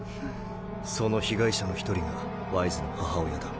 その被害者の一人がワイズの母親だ。